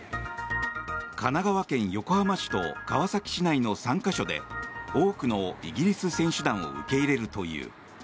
神奈川県横浜市と川崎市内の３か所で多くのイギリス選手団を受け入れるという。